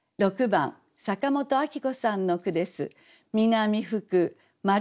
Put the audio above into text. ６番坂本昭子さんの句です。